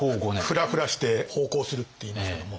ふらふらして彷徨するっていいますけども。